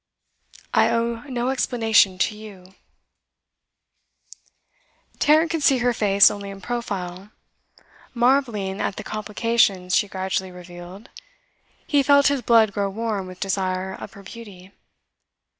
I owe no explanation to you.' Tarrant could see her face only in profile. Marvelling at the complications she gradually revealed, he felt his blood grow warm with desire of her beauty.